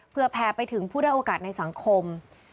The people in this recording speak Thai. เพื่อแพร่ไปถึงผู้ได้โอกาสในสังคม